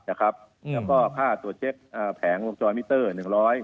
แล้วก็ค่าตรวจเช็คแผงวงจรมิเตอร์๑๐๐บาท